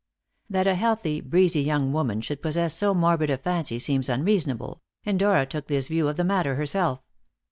That a healthy, breezy young woman should possess so morbid a fancy seems unreasonable; and Dora took this view of the matter herself.